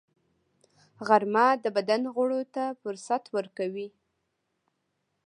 غرمه د بدن غړو ته فرصت ورکوي